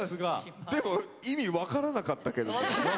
でも意味分からなかったけどね。